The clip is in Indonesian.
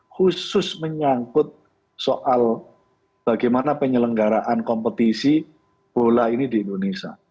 khusus menyangkut soal bagaimana penyelenggaraan kompetisi bola ini di indonesia